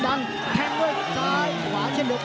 ดันแถงด้วยซ้ายขวาเช่นโดบวัน